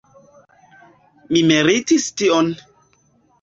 Mi meritis tion!